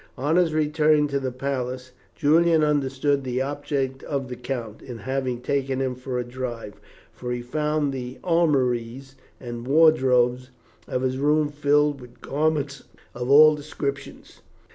On his return to the palace, Julian understood the object of the Count in having taken him for a drive, for he found the armoires and wardrobes of his room crammed with garments of all descriptions.